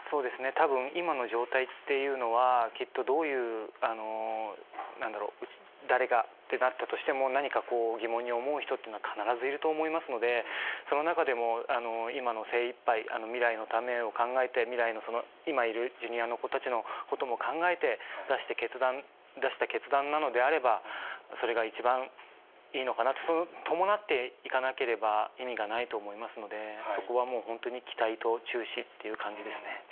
たぶん、今の状態っていうのは、きっとどういう、なんだろう、誰がってなったとしても、何かこう、疑問に思う人いうのは必ずいると思いますので、その中でも今の精いっぱい、未来のためを考えて、未来の今いるジュニアの子たちのことも考えて出した決断なのであれば、それが一番、いいのかなって、それに伴っていかなければ意味がないと思いますので、そこはもう本当に期待と注視という感じですね。